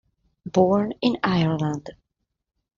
Born in Ireland.